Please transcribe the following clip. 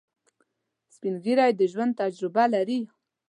سپین ږیری د ژوند تجربه لري